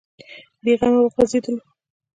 بې غمه وغځېدلو.